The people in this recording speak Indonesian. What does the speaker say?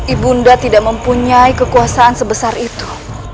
ibunda tidak mempunyai kekuasaan sebesar itu